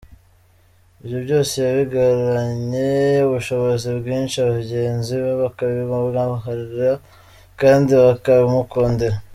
Ibyo byose yabigiranye ubushobozi bwinshi bagenzi be bakabimwubahira kandi bakabimukundira.